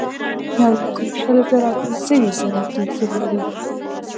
یولک شل زره او پنځه ویشت زره توپیر لري.